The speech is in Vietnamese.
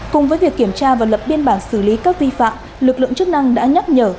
cùng với việc kiểm tra và lập biên bản xử lý các vi phạm lực lượng chức năng đã nhắc nhở